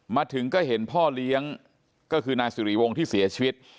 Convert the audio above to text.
มาถึงก็เห็นพ่อเลี้ยงก็คือนายสิริวงศ์ที่เสียชีวิต